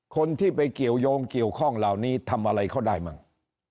คนที่ไปเกี่ยวยงเกี่ยวข้องเหล่านี้ทำอะไรเขาได้มั่ง